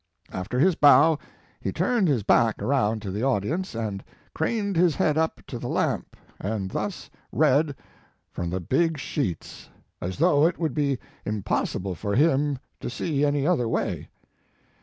After his bow he turned his back around to the audience and craned his head up to the lamp and thus read from the big sheets as though it would be impossible for him to see any other way.